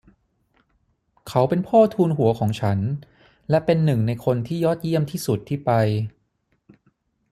เขาเป็นพ่อทูนหัวของฉัน และเป็นหนึ่งในคนที่ยอดเยี่ยมที่สุดที่ไป